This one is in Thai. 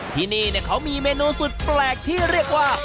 ที่นี่เขามีเมนูสุดแปลกที่เรียกว่า